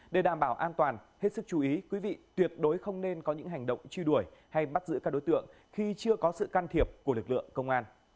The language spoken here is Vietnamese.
để đảm bảo an toàn hết sức chú ý quý vị tuyệt đối không nên có những hành động truy đuổi hay bắt giữ các đối tượng khi chưa có sự can thiệp của lực lượng công an